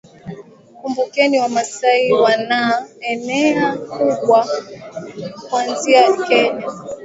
Kumbukeni Wamasai wanna eneo kubwa kuanzia Kenya